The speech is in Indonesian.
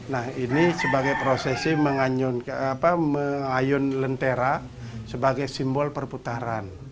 nah ini sebagai prosesi mengayun lentera sebagai simbol perputaran